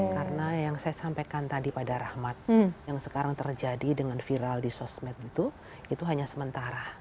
karena yang saya sampaikan tadi pada rahmat yang sekarang terjadi dengan viral di sosmed itu itu hanya sementara